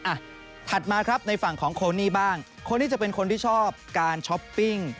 อ่ะถัดมาครับในฝั่งของโคนี่บ้างโคนี่จะเป็นคนที่ชอบการช้อปปิ้ง